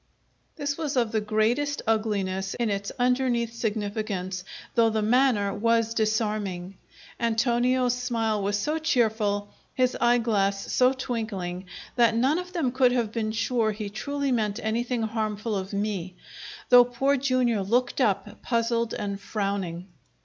This was of the greatest ugliness in its underneath significance, though the manner was disarming. Antonio's smile was so cheerful, his eye glass so twinkling, that none of them could have been sure he truly meant anything harmful of me, though Poor Jr. looked up, puzzled and frowning.